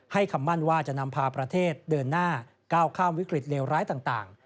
คำมั่นว่าจะนำพาประเทศเดินหน้าก้าวข้ามวิกฤตเลวร้ายต่าง